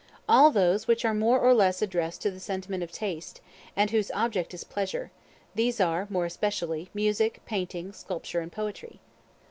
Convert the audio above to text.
All those which are more or less addressed to the sentiment of taste, and whose object is pleasure; these are more especially Music, Painting, Sculpture, and Poetry.